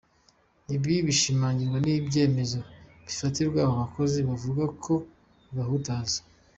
Ibi bishimangirwa n’ibyemezo bifatirwa aba bakozi bavuga ko bibahutaza.